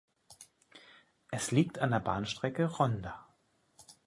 Es liegt an der Bahnstrecke Rhondda.